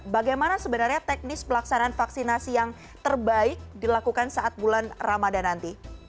bagaimana sebenarnya teknis pelaksanaan vaksinasi yang terbaik dilakukan saat bulan ramadan nanti